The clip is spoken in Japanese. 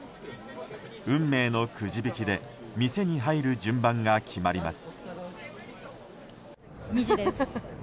運命のくじ引きで店に入る順番が決まります。